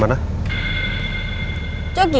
bahwa perintah hati